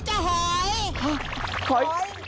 หอย